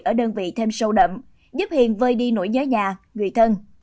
ở đơn vị thêm sâu đậm giúp hiền vơi đi nỗi nhớ nhà người thân